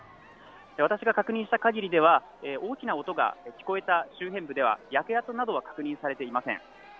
私が確認したかぎりでは大きな音が聞こえた周辺部では焼け跡などは確認されていません。